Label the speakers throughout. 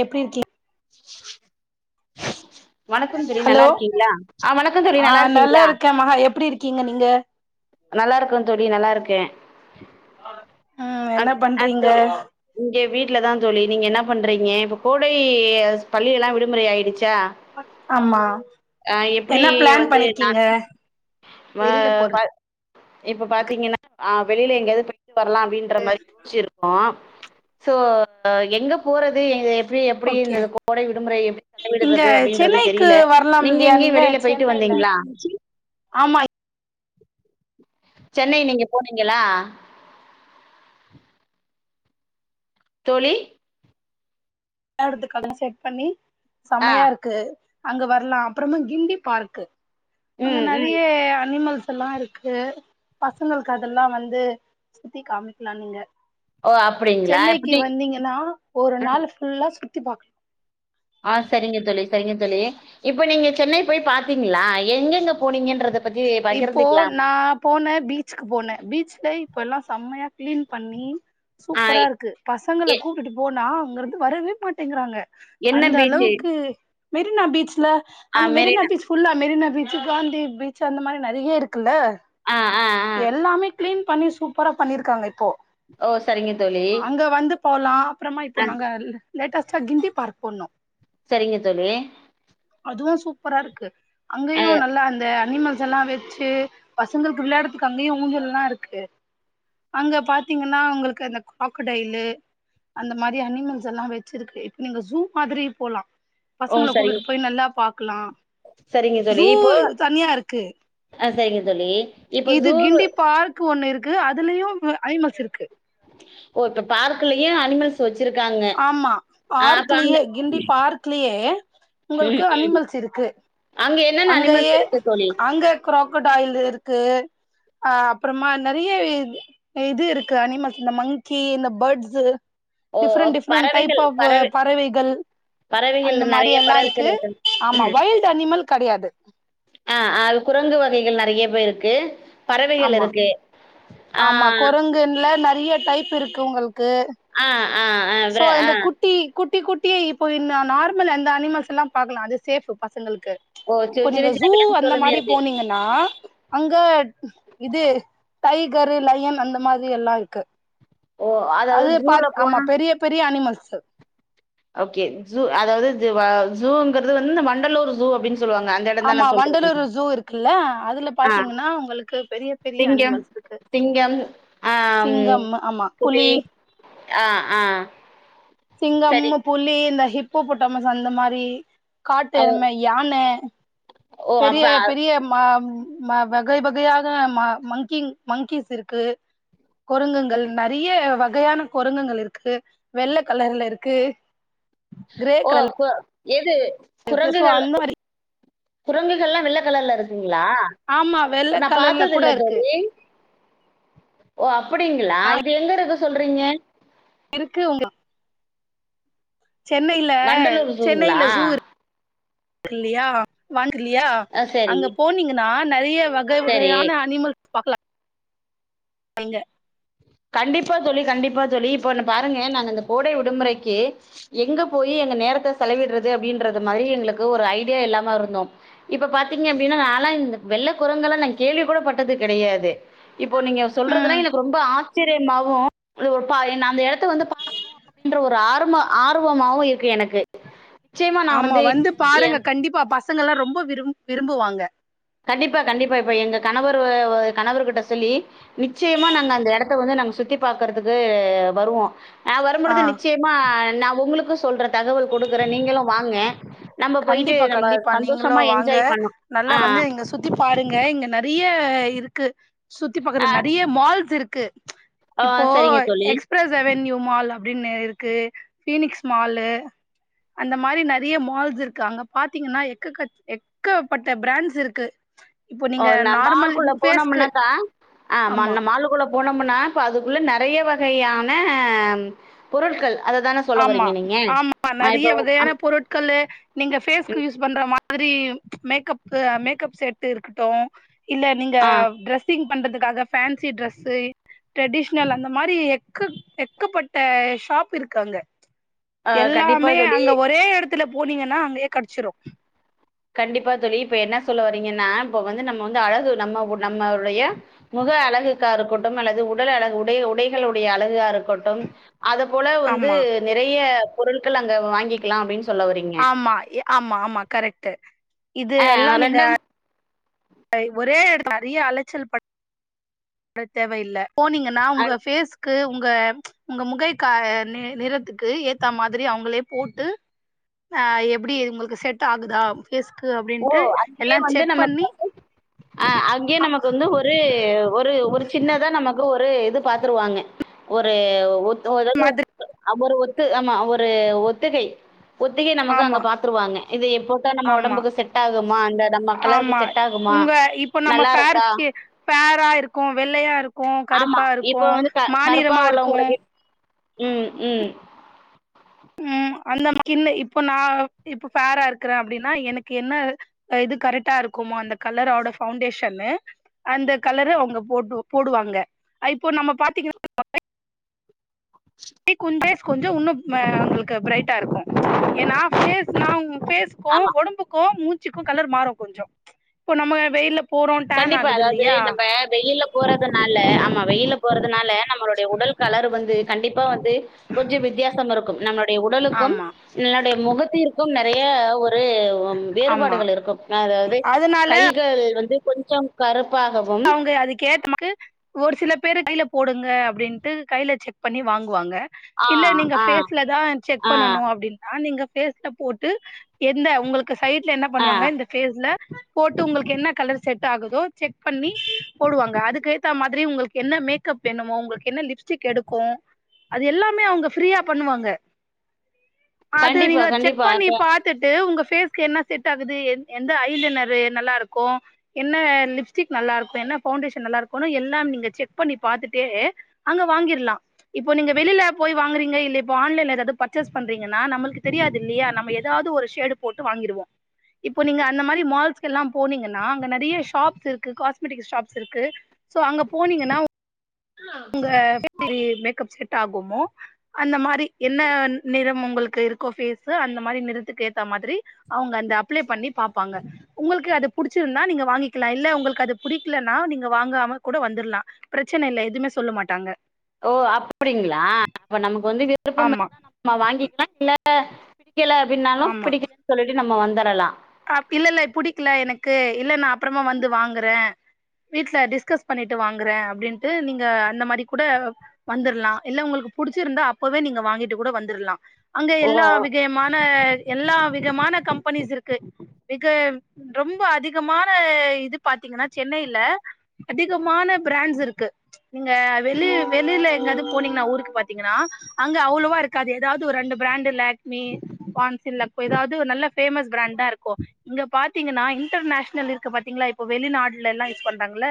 Speaker 1: எப்டிருக்கீங்
Speaker 2: [inaudible] தோழி
Speaker 1: ஹலோ
Speaker 2: நல்லா இருக்கீங்களா ஆ வணக்கம் தோழி
Speaker 1: ஆ நல்லா
Speaker 2: இருக்கீங்களா
Speaker 1: இருக்கேன் மா எப்டி இருக்கீங்க நீங்க
Speaker 2: நல்லா இருக்க தோழி நல்லாருக்கேன்
Speaker 1: ம் என்ன பண்றீங்க
Speaker 2: வீட்டுல தான் தோழி நீங்க என்ன பண்றீங்க இப்ப கோடை பள்ளி எல்லாம் விடுமுறை ஆயிடுச்சு ட்டா
Speaker 1: ஆமா
Speaker 2: ஆ எப்டி
Speaker 1: என்ன பிளான்
Speaker 2: வந்து நா
Speaker 1: பண்ணிருக்கீங்க
Speaker 2: வா
Speaker 1: வெளில
Speaker 2: வ
Speaker 1: போறது
Speaker 2: இப்ப பாத்தீங்கன்னா ஆ வெளியல எங்காது போ வர்லாம் அப்டின்ற மாரி யோசச்சிருக்கோம் சோ எங்க போறது ஏ ப்படி எப்டி
Speaker 1: ஓகே
Speaker 2: இந்த கோடை விடுமுறைய எப்டி
Speaker 1: இங்க
Speaker 2: செலவிடுறது அப்டின்றது
Speaker 1: சென்னைக்கு
Speaker 2: தெரியல
Speaker 1: வரலாம்
Speaker 2: நீங்க
Speaker 1: இல்லையா
Speaker 2: எங்கேயும் வெளியில போயிட்டு
Speaker 1: சென்னைல
Speaker 2: வந்தீங்களா [inaudible]
Speaker 1: ஆமா
Speaker 2: சென்னை நீங்க போனீங்களா தோழி
Speaker 1: நா எடுத்துக்க செட் பண்ணி
Speaker 2: ஆ
Speaker 1: சம்மையாருக்கு அங்க வரலாம் அப்பறம கிண்டி பார்க்கு அங்க
Speaker 2: ம் ம்
Speaker 1: நிறைய அனிமல்ஸ் ல்லாம் இருக்கு பசங்களுக்கு அதெல்லாம் வந்து சுத்தி காமிக்கலாம் நீங்க
Speaker 2: ஓ அப்டிங்களா
Speaker 1: சென்னைக்கு
Speaker 2: எப்டி
Speaker 1: வந்தீங்கன்னா ஒரு நாள் சுத்தி பாக்கலாம்
Speaker 2: ஆஹ் சரிங்க தோழி சரிங்க தோழி இப்ப நீங்க சென்னை போய் பாத்தீங்களா எங்கெங்க போனீங்கன்றத பத்தி
Speaker 1: இப்போ
Speaker 2: பகிர்ந்துக்கலாமே
Speaker 1: நான் போனேன் பீட்ச் போனேன் பீச்ல இப்ப எல்லாம் செம்மையா கிளீன் பண்ணி
Speaker 2: ஆ
Speaker 1: சூப்பரா இருக்கு பசங்கல
Speaker 2: எ
Speaker 1: கூப்பிட்டு போனா ங்க இருந்து வரவே மாட்டேங்கிறாங்க
Speaker 2: என்ன
Speaker 1: அந்த
Speaker 2: பீச்சு
Speaker 1: அளவுக்கு மெரினா பீச்ல அந்த மெரினா பீச் ஃபுல்லா மெரினா விஜ காந்தி பீச் அந்த மாதிரி நிறைய இருக்குல்ல
Speaker 2: ஆ ஆ ஆ
Speaker 1: எல்லாமே கிளீன் பண்ணி சூப்பராபண்ணியிருக்காங்க இப்போ
Speaker 2: ஓ சரிங்க தோழி
Speaker 1: அங்க வந்து போலாம் அப்பறமா இப்போ
Speaker 2: ஆ
Speaker 1: நாங்க லேட்டஸ்டா கிண்டி பார்க் போனோம்
Speaker 2: செரிங்க தோழி
Speaker 1: அதுவும் சூப்பரா இருக்கு
Speaker 2: ஆ
Speaker 1: அங்கயும் நல்லா அந்த அனிமல்ஸ் எல்லாம் வச்சு பசங்களுக்கு விளையாடுறதுக்கு அங்கேயும் ஊஞ்சல்லாம் இருக்கு அங்க பாத்தீங்கன்னா உங்களுக்கு அந்த கக்கடைலு அந்த மாதிரி அனிமல்ஸ் எல்லாம் வச்சிருக்கு இப்ப நீங்க ஜூ மாதிரி போலாம்
Speaker 2: ஓ
Speaker 1: பசங்களை
Speaker 2: சரிங்க
Speaker 1: கூப்பிட்டு போய் நல்லா பா இருக்கலாம்
Speaker 2: சரிங்க தோழி
Speaker 1: ஜூ
Speaker 2: இப்போ
Speaker 1: தனியா இருக்கு
Speaker 2: ஆ செரிங்க
Speaker 1: இது கிண்டி பார்க் ஒண்ணு இருக் இருக்கு அதுலயும் ஐமஸ் இருக்கு
Speaker 2: ஓ இப்ப பார்க்லயும் அனிமல்ஸ் வச்சு
Speaker 1: ஆமா பார்க்லேயே கிண்டி பார்க்லேயே
Speaker 2: ம்
Speaker 1: உங்களுக்கு அனிமல்ஸ் இருக்கு
Speaker 2: அங்க என்னென்ன அனிமல்ஸ்
Speaker 1: அங்கயே
Speaker 2: இருக்கு தோழி
Speaker 1: அங்க காக்கட்டாயில் இருக்கு அஹ் அப்புறமா நிறைய இது இருக்கு அனிமல்ஸ் இந்த மங்கி இந்த பேர்ட்ஸ்சு
Speaker 2: ஓ
Speaker 1: டிஃரெண்ட் டிஃரென்ட் டைப்
Speaker 2: பறவைகள்
Speaker 1: ஆப்
Speaker 2: பறவை
Speaker 1: பறவைகள்
Speaker 2: பறவைகள்
Speaker 1: அந்த மாதிரி
Speaker 2: நெறைய
Speaker 1: எல்லாம் இருக்கு
Speaker 2: பறவைகள்
Speaker 1: ஆமா வைல்டு அனிமல் கெடையாது
Speaker 2: அஹ் அது குரங்கு வகைகள் நிறையவே இருக்கு பறவைகள்
Speaker 1: ஆமா
Speaker 2: இருக்கு. ஆ,
Speaker 1: ஆமா குரங்குன்ல நெர் நெர்யா டைப் இருக்கு உங்களுக்கு
Speaker 2: ஆஹ் ஆஹ்
Speaker 1: சோ
Speaker 2: ஆஹ்
Speaker 1: இந்த
Speaker 2: ஆஹ்
Speaker 1: குட்டி குட்டி குட்டியே இப்போ நார்மல் அந்த அனிமல்ஸ் எல்லாம் பார்க்கலாம் அது சேஃபு பசங்களுக்கு
Speaker 2: ஓ சி
Speaker 1: இப்போ
Speaker 2: சின்ன
Speaker 1: நீங்க
Speaker 2: சின்ன
Speaker 1: ஜூ அந்த
Speaker 2: விலங்குகளுமே
Speaker 1: மாதிரி
Speaker 2: இருக்கு.
Speaker 1: போனீங்கனா அங்க இது டைகரு லயன் அந்த மாதிரி எல்லாம் இருக்கு
Speaker 2: ஓ அதாவது
Speaker 1: அது பா
Speaker 2: ஜூல போ
Speaker 1: ஆமா பெரிய பெரிய அனிமல்ஸ் சு
Speaker 2: ஓகே ஜூ அதாவது இதுவ ஜூங்கிறது வந்து இந்த வண்டலூர் ஜூ அப்படின்னு சொல்ல
Speaker 1: ஆமா வண்டலூர் ஜூ இருக்குல்ல அதுல
Speaker 2: ஆ
Speaker 1: பாத்தீங்கன்னா உங்களுக்கு பெரிய பெரிய
Speaker 2: சிங்கம்,
Speaker 1: அனிமல்ஸ் இருக்கு
Speaker 2: சிங்கம், ஆம்
Speaker 1: சிங்கம் ஆமா புலி
Speaker 2: ஆஹ் ஆஹ்
Speaker 1: சிங்கம் புலி இந்த ஹிப்போபொட்டாமஸ் அந்த மாதிரி காட்டு
Speaker 2: ஓ
Speaker 1: எருமை யானை
Speaker 2: ஓ
Speaker 1: பெரிய
Speaker 2: அப்ப
Speaker 1: பெரிய மா வகை வகையான மங்கிங் மங்கீஸ் இருக்கு குரங்குங்கள் நிறைய வகையான குரங்குங்கள் இருக்கு வெள்ள கலர்ல இருக்கு கிரே
Speaker 2: ஓ
Speaker 1: கலர்ல
Speaker 2: அப்ப எது
Speaker 1: இருக்கு சோ அந்த மாதிரி
Speaker 2: குரங்குகள் எல்லாம் வெள்ள கலர்ல இருக்குங் ங்களா
Speaker 1: ஆமா வெள்ள
Speaker 2: நான்
Speaker 1: கலர்ல
Speaker 2: பாத்தது
Speaker 1: கூட
Speaker 2: இல்ல
Speaker 1: இருக்கு
Speaker 2: தோழி ஓ அப் அப்படிங்களா
Speaker 1: ஆ
Speaker 2: இது எங்க இருக்கு சொல்றீங்க
Speaker 1: இருக்கு உங்க சென்னையில
Speaker 2: வண்டலூர் ஜூங்களா
Speaker 1: சென்னையில ஜூ இருக் ல்லையா வண் இல்லையா
Speaker 2: ஆ சரி
Speaker 1: அங்க போனீங்க நான் நிறைய வகை
Speaker 2: சரி
Speaker 1: வகையான அனிமல் பாக்ல அங்க
Speaker 2: கண்டிப்பா தோழி கண்டிப்பா தோழி இப்பன்னு பாருங்க நாங்க அந்த கோடை விடுமுறைக்கு எங்க போய் எங்க நேரத்த செலவிடறது அப்டின்றது மாரி எங்களுக்கு ஒரு ஐடியா இல்லாம இருந்தோ இப்ப பாத்தீங்க அப்டின்னா நாலா இந்த வெள்ள கொரங்கல நா கேள்வி கூட பட்டது கெடயாது இப்போ நீங்க
Speaker 1: ம்
Speaker 2: சொல்றதுலா எனக் ரொம்ப ஆ ச்சிரியமாவு பா நா அந்த எடத்த வந்து பாக்கணு அப்டின்ற ஒரு ஆரும ஆர்வமாவு இருக்கு எனக்
Speaker 1: ஆமா வந்து
Speaker 2: எ
Speaker 1: பாருங்க கண்டிப்பா பஸ் சங்கல்லா ரொம்ப விரும் விரும்புவாங்க
Speaker 2: கண்டிப்பா கண்டிப்பா இப்ப எங்க கணவர் வ வ கணவர்கிட்ட சொல்லி நிச்சயமா நாங்க அந்த எடத்த வந்து நாங்க சுத்தி பாக்கறதுக்கு வருவோம் ஆ வரும்பொழுது நிச்சயமா நா உங்களுக்கு சொல்ற தகவல் கொடுக்குற நீங்களும் வாங்க நம்ப போயிட்டு
Speaker 1: கண்டிப்பா
Speaker 2: நம்ப
Speaker 1: கண்டிப்பா நீங்களு
Speaker 2: சந்தோஷமா என்ஜாய் பண்ணு அ
Speaker 1: த்தி பாருங்க இங்க நெறைய இருக்கு சுத்தி பாக்குற
Speaker 2: ஆ,
Speaker 1: நெறைய மால்ஸ் இரு க்கு
Speaker 2: ஓ
Speaker 1: இப்போ
Speaker 2: சரிங்க தோழி.
Speaker 1: எக்ஸ்பிரஸ் எவன்யூ மால ப்டின்னு இருக்கு பீனிக்ஸ் மாலு அந்த மாரி நெறைய மால்ஸ் இரு க அங்க பாத்தீங்கன்னா எக்கக எக்கப்பட்ட பிராண்ட்ஸ் இருக்கு இப்போ
Speaker 2: ஓ
Speaker 1: நீங்க
Speaker 2: நா
Speaker 1: நார்மல்
Speaker 2: மால்குள்ள
Speaker 1: ஃபேஸ்க்கு
Speaker 2: போனமுனாக்க ஹ ம
Speaker 1: ஆமா
Speaker 2: ந மாலுக்குள்ள போன ம்புன்னா ப்ப அதுக்குள்ள நெறைய வகையான பொருட்கள் அததானே சொல்ல
Speaker 1: ஆமா
Speaker 2: வர்றீங்க நீங்க?
Speaker 1: ஆமா
Speaker 2: ஆ
Speaker 1: நறய
Speaker 2: இப்போ
Speaker 1: வகையான பொருட்கலளு நீங்க பேஸ்கு
Speaker 2: ம்.
Speaker 1: யூஸ் பண்ற மாதிரி மரியும் மேக்கப்பு மேக்கப் செட்டு இருக்கட்டும் இல்ல நீங்க
Speaker 2: ஆ,
Speaker 1: டிரெஸ்ஸிங் பண்டதுக்காக ஃபன்சி ட்ரெஸ்சு ட்ரெடிஷனல் அந்த மாரி எக்க எக்கப்பட்ட ஷாப் இருக்கு அங்க
Speaker 2: அ கண்டிப்பா
Speaker 1: எல்லாமே
Speaker 2: தோழி.
Speaker 1: அங்க ஒரே எடத்துல போனீங்கனா அங்கயே கிடிச்சிரும்
Speaker 2: கண்டிப்பா தொழி இப்ப என்ன சொல்ல வரீங்கன்னா இப்ப வந்து நம்ம வந்து அழகு நம்மவு நம்மடைய முக அழகுக்காருக்கட்டும் அல்லது உடல் அழகு உடை உடைகளுடைய அழகாரு கொட்டும் அத போல வந்து
Speaker 1: ஆமா
Speaker 2: நெறைய பொருட்கள் அங்க வாங்கிகலா அப்டி
Speaker 1: ஆமா ய ஆமா ஆமா கரெக்ட்டு இது
Speaker 2: ஆ
Speaker 1: அல்லா நீங்க
Speaker 2: ரெண்டா
Speaker 1: ஒரே எடத் அறிய அலச்சல் ப ட தேவயில்ல போனீங்கன்னா உங்க ஃபேஸ் கு உங்க உங்க முகை க நி நிறத்துக்கு ஏத்தா மாரி அவங்களே போட்டு ஹ எப்டி உங்களுக்கு செட்டா ஆகுதா ஃபேஸ்க்கு
Speaker 2: ஓ
Speaker 1: அப்டின்ட்டு
Speaker 2: அங்கயே
Speaker 1: எல்லா
Speaker 2: வந்து
Speaker 1: செக்
Speaker 2: நமக்கு
Speaker 1: பண்ணி
Speaker 2: வந்து அங்கயே நமக்கு வந்து ஒரு ஒரு ஒரு சின்னதான் நமக்கு ஒரு இது பாத்துருவாங்க ஒரு ஒத்து
Speaker 1: மாதிரி
Speaker 2: து அ [inaudible] ஆமா ஒரு ஒரு ஒத்திகை ஒத்திகை நமக்கு அங்க
Speaker 1: ஆமா
Speaker 2: பாத்துருவாங்க இது எப்போ நம்ம
Speaker 1: ஆமா
Speaker 2: உடம்புக்கு செட் ஆகுமா? அந்த நம்ம கலருக்கு
Speaker 1: ஆமா
Speaker 2: செட் ஆகுமா?
Speaker 1: உங்க இப்ப நம்ம
Speaker 2: நல்லா இருக்கா?
Speaker 1: ஃபேர்கு ஃபேரா இருக்கும் வெள்ளையா இருக்கும்
Speaker 2: ஆமா
Speaker 1: கருப்பா
Speaker 2: இப்போ
Speaker 1: இருக்கும்
Speaker 2: வந்து க கருப்பா
Speaker 1: மநிறமா இருக்கும்
Speaker 2: உள்ளவங்களுக்கு ம் ம்
Speaker 1: ம் அந்த மாரி இப்போ நான் இப்போ பேரா இருக்கிறேன் அப்படின்னா எனக்கு என்ன இது கரெக்டா இருக்குமோ அந்த கலரோட பஃவுண்டேஷனு அந்த கலரு அவங்க போட்டு போடுவாங்க இப்போ நம்ம பாத்தீங்கன்னா கொஞ்ச கொஞ்சம் இன்னும் அவங்களுக்கு பிரைட்டா இருக்கும் ஏன்னா ஃபேஸ் நா பேஸ்க்கும் உடம்புக்கும் மூ க்கும் கலர் மாறும் கொஞ்சம் இப்ப நம்ம வெயில
Speaker 2: கண்டிப்பா அதாவது நம்ம வெயில போறதுனால ஆமா வெயில போறதுனால நம்மளோட உடல் கலர் வந்து கண்டிப்பா வந்து கொஞ்சம் வித்தியாசம் இருக்கும் நம்மளுடைய உடலுக்கும்
Speaker 1: ஆமா
Speaker 2: நம்டைய முகத்திற்கும் நிறைய ஒரு
Speaker 1: ஆமா
Speaker 2: வேறுபாடுகள் இருக்கும் அதாவது
Speaker 1: அதனால
Speaker 2: கைகள் வந்து கொஞ்சம் கருப்
Speaker 1: அவங்க அதுக்கேற்றமக்கு ஒரு சில பேரு கையில போடுங்க அப்டின்ட்டு கையில செக் பண்ணி வாங்குவாங்க
Speaker 2: ஆ
Speaker 1: இல்ல நீங்க
Speaker 2: ஆ
Speaker 1: பேஸ்ல தான் செக்
Speaker 2: ஆ
Speaker 1: பண்ணணும் அப்டின்னா நீங்க பேஸ்ல போட்டு எந்த உங்களுக்கு சைட்ல என்ன
Speaker 2: ஆ
Speaker 1: பண்ணுவாங்க இந்த ஃபேஸ்ல போட்டு உங்களுக்கு என்ன கலர் செட் ஆகுதோ செக் பண்ணி போடுவாங்க அதுக்கு ஏத்த மாரி உங்களுக்கு என்ன மேக்கப் வேணுமோ உங்களுக்கு என்ன லிப்ஸ்டிக் எடுக்கும் அது எல்லாம் அவங்க ஃப்ரீயா பண்ணுவாங்க அது
Speaker 2: கண்டிப்பா
Speaker 1: நீங்க செக்
Speaker 2: கண்டிப்பா
Speaker 1: பண்ணி
Speaker 2: அப்ப
Speaker 1: பாத்துட்டு உங்க பேஸ்க்கு என்ன செட் ஆகுது எந்த ஐலனரு நல்லா இருக்கும் என்ன லிப்ஸ்டிக் க் நல்லா இருக்கும் என்ன பவுண்டேஷன் நல்லா இருக்கும்னு எல்லாம் நீங்க செக் பண்ணி பாத்துட்டே அங்க வாங்கிரலாம் இப்போ நீங்க வெளியில போய் வாங்குரிங்க இல்ல இப்ப ஆன்லைன் ல ஏதாவது பாச்சே பன்றிகன நம்பலுக்கு தெரியாதியில்லையா நம்ப ஏதாவது ஒரு ஷேட் போட்டு வாங்குவோம் இப்ப நீங்க அந்த மாரி மோல்ஸ் ல போனீங்க காஸ்மெட்டிக் ஷாப்ஸ் இருக்கு சோ அங்க போனீங்கன்னா உங்க மேக்கப் செட் ஆகுமோ அந்த மாரி என்ன நிறம் உங்களுக்கு இருக்ககோ ஃபேஸ் அந்த மாரி நிறத்துக்கு ஏத்த மாதிரி அவங்க அப்ளை பண்ணி பாங்க உங்களுக்குது புடிச்சிருந்தா நீங்க வாங்கக்கள உங்களுக்கு அது புடிக்கலனா நீங்க வாங்காம கூட வந்துரலாம் பிரச்சனை இல எதுவுமே சொல்ல மாட்டாங்க
Speaker 2: ஓ அப்டிங்களா அப்ப நமக் வந்து விருப்பம் ம
Speaker 1: ஆமா
Speaker 2: தான் நம்ம வாங்கிக்கலாம் இல்ல ஆ ல அப்டின்னாலும் பிடி [unintelligible] சொல்லிட்டு நம்ம வந்துரலாம்
Speaker 1: அ இல்ல இல்ல புடிக்கல எனக்கு இல்ல நான் அப்பறமா வந்து வாங்குறேன் வீட்ல டிஸ்கஸ் பண்ணிட்டு வாங்குறேன் அப்படின்ட்டு நீங்க அந்த மாரி கூட வந்துரலாம் இல்ல உங்களுக்கு புடிச்சிருந்தா அப்பவே நீங்க வாங்கிட்டு கூட வந்துரலாம் அங்க
Speaker 2: ஓ!
Speaker 1: எல்லா விஜயமான எல்லா விதமான கம்பெனிஸ் இருக்கு [unintelligible] இது ரொம்ப அதிகமான இது பாத்தீங்கன்னா சென்னையில அதிகமான பிராண்ட்ஸ் இருக்கு நீங்க வெளியில எங்காவது போனீங்கனா ஊருக்கு பாத்தீங்கன்னா அங்க அவ்வளவா இருக்காது ஏதாவது ஒரு ரெண்டு பிராண்டுல லக்மி பான்சிலப் ஏதாவது நல்ல பேமஸ் பிராண்டா இருக்கும் இங்க பாத்தீங்கன்னா இன்டர்நேஷனல் இருக்கு பாத்தீங்களா இப்ப வெளிநாடுல எலாம் யூஸ் பண்றாங்கள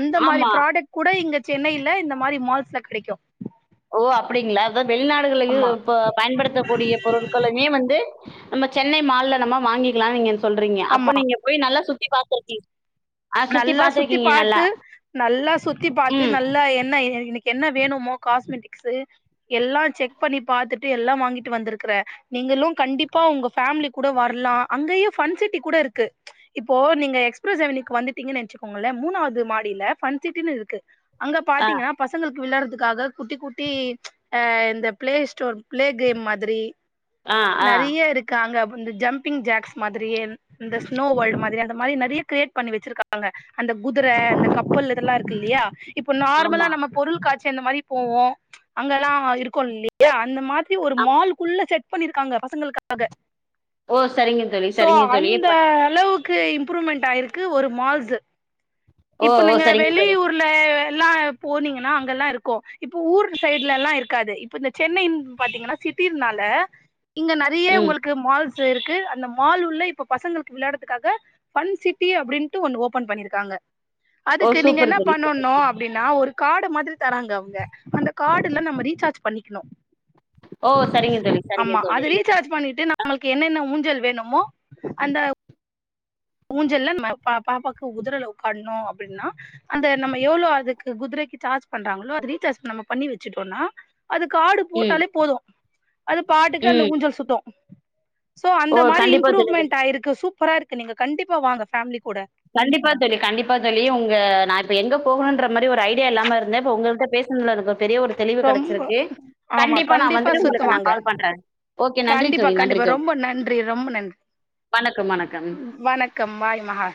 Speaker 1: அந்த மாதிரி
Speaker 2: ஆமா.
Speaker 1: ப்ராடக்ட் கூட இங்க சென்னையில இந்த மாரி மால்ஸ்ல கெடைக்கும்
Speaker 2: ஓ அப்டிங்களா அதான் வெளிநாடுகல்லயும் பயன்படுத்தக்க கூடிய பொருட்களுமே வந்து நம்ம சென்னை மால்ல நம்ம வாங்கிக்கலாம் நீங்க சொல்றீங்க
Speaker 1: ஆமா
Speaker 2: அப்ப நீங்க போய் நல்லா சுத்த சுத்தி பாத்திருக்கிங்
Speaker 1: நல்லா சுத்தி பாத்து நல்லா சுத்தி பாத்து
Speaker 2: ம்.
Speaker 1: நல்லா என்ன க்கு என்ன வேணுமோெிக எல்லாம் செக் பண்ணி பாத்துட்டு எல்லாம் வாங்கிட்டு விரு நீங்களும் கண்டிப்பா உங்க கூ வரலாம் அங்கயேிட்டி கூட இருக்கு இப்போ நீங்க எ்ப வ [unintelligible] நினைச்சுக்கோங்கள மூணாவது மாடியில பன்சிட்டின்னு இருக்கு அங்க
Speaker 2: ஆ,
Speaker 1: பாத்தீங்கன்னா பசங்களுக் விளறதுக்காக குட்டி குட்டி அ இந்த பிளே ஸ்டோர் பிளே கேம் மாதிரி
Speaker 2: ஆ, ஆ.
Speaker 1: நெறய இருக்காங்க இந்த ஜம்பிங் ஜாக்ஸ் மாதிரியே இந்த ஸ்னோ வேல்டு மாதிரி அ மாரி நெறைய கிரியேட் பண்ணி வச்சிருக்காங்க பாங்க அந்த குதிர அந்த கப்பல் இதெலாம் இருக்கு இல்லியா இப்ப நார்மலா
Speaker 2: ஆமா.
Speaker 1: நம்ம பொருள் கா இந்த மாரி போவோம் அங்கலாம் இருக்கோளி ஏ அந்த மாரி [unintelligible] ஒரு
Speaker 2: ஆ.
Speaker 1: மால் குள்ள செட் பண்ணிருக்காங்க பசங்களுக்காக
Speaker 2: ஓ சரிங்க தொழி சரிங்க பண்ண
Speaker 1: க்கு இம்ரூமெண்ட் ஆயிருக்கு ஒரு மாச
Speaker 2: ஓ!
Speaker 1: இப்ப
Speaker 2: ஓ!
Speaker 1: நீங்க
Speaker 2: சரிங்க
Speaker 1: வெளி
Speaker 2: தோழி.
Speaker 1: ஊர்ல எல்லா போனீங்கன்னா அங்கெல்லாம் இருக்கும் இப்ப ஊர் சைடுல எல்லா இருக்காது இப்ப இந்த சென்னைன் பாத்தீங்னா சிட்டிர்னால இங்க நெறைய
Speaker 2: ம்.
Speaker 1: உங்களுக்கு மால்ஸ் இருக்கு அந்த மாால் உள்ள இப்ப பசங்களுக்கு விளையாடறதுக்காக பன் சிட்டி அப்டின்னு தூ ஒன்னு ஓபன் பண்ணிருக்காங்க
Speaker 2: ஓ!
Speaker 1: அதுக்கு நீங்க
Speaker 2: சூப்பர்
Speaker 1: என்ன
Speaker 2: தோழி.
Speaker 1: பண்ணு அப்டின்னா ஒரு கார்டு மாரி தராங்க அவங்க அந்த கார்டுல்ல நம்ம ரீசார்ஜ் பண்ணிக்கணும்
Speaker 2: ஓ செரிங்க தோழி செரிங்க சொ தோழி
Speaker 1: நம்மள்க்கு என்னென்ன ஊஞ்சல் வேணுமோ அந்த ஊஞ்சல்ல நம்ம பா பாப்பாக்கு குதிரல உட்காணும் அப்டின்னா அந்த நம்ம எவ்ளோ அதுக்கு குதிரைக்கு சார்ஜ் பண்றாங்களோ அத ரீசார்ஜ் நம்ம பண்ணி வச்சுட்டோம்னா அது கார்டு
Speaker 2: ம்,
Speaker 1: போட்டாலே போதும் அது பாட்டுக்கு அந்த
Speaker 2: ம்.
Speaker 1: ஊஞ்சல் சுத்தும் சோ
Speaker 2: ஓ!
Speaker 1: அந்த மாரி
Speaker 2: கண்டிப்பா தோழி.
Speaker 1: இம்ப்ரூவமெண்ட்டாயிருக்கு சூப் சூப்பரா இருக்கு நீங்க கண்டிப்பா வாங்க ஃபேமிலிக்
Speaker 2: கண்டிப்பா தோழி கண்டிப்பா தோழி உங்க நா இப்ப எங்க போகணுன்ற ந்த மாரி ஒரு ஐடியா இல்லாம இருந்தே இப்ப உங்க கிட்ட பேசுனதுல இருக்க
Speaker 1: ரொம்ப ஆமா
Speaker 2: நான்
Speaker 1: கண்டிப்பா
Speaker 2: வந்துட்டு உங்களுக்கு நான்
Speaker 1: சுத்துவாங்க
Speaker 2: கால் பண்றேன். ஓகே நன்றி
Speaker 1: கண்டிப்பா
Speaker 2: தோழி, நன்றி
Speaker 1: கண்டிப்பா
Speaker 2: தோழி.
Speaker 1: ரொம்ப நன்றி ரொம்ப நன்றி
Speaker 2: வணக்கம், வணக்கம். ம்.
Speaker 1: வணக்கம் வாய் மகா